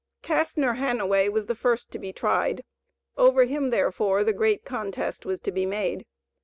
Castnor Hanaway was first to be tried; over him, therefore, the great contest was to be made.